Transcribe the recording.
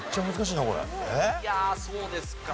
いやそうですか。